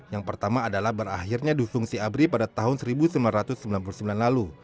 yang pertama adalah berakhirnya dufungsi abri pada tahun seribu sembilan ratus sembilan puluh sembilan lalu